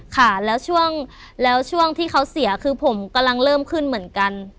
ค่ะแล้วช่วงแล้วช่วงที่เขาเสียคือผมกำลังเริ่มขึ้นเหมือนกัน